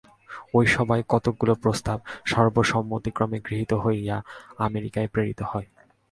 ঐ সভায় কতকগুলি প্রস্তাব সর্বসম্মতিক্রমে গৃহীত হইয়া আমেরিকায় প্রেরিত হয়।